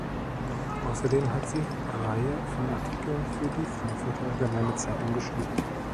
Außerdem hat sie Reihe von Artikeln für die Frankfurter Allgemeine Zeitung geschrieben.